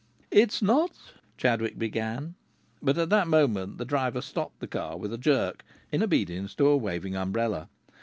"It's not " Chadwick began; but at that moment the driver stopped the car with a jerk, in obedience to a waving umbrella.